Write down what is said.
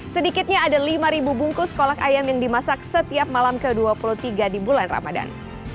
sedikitnya ada lima bungkus kolak ayam yang dimasak setiap malam ke dua puluh tiga di bulan ramadan